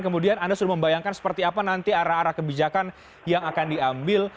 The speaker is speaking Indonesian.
kemudian anda sudah membayangkan seperti apa nanti arah arah kebijakan yang akan diambil